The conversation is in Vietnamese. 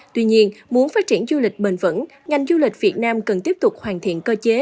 tuy nhiên muốn phát triển du lịch bền vững ngành du lịch việt nam cần tiếp tục hoàn thiện cơ chế